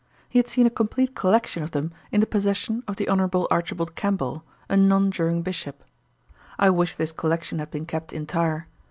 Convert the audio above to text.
He had seen a complete collection of them in the possession of the Hon. Archibald Campbell, a non juring Bishop. I wish this collection had been kept entire.